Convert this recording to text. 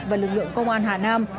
và lực lượng công an hà nam